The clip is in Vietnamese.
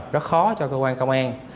rất khó cho cơ quan công an